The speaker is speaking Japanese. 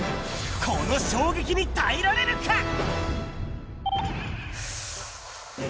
この衝撃に耐えられるか？